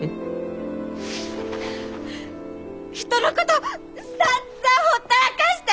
人のことさんざんほったらかして！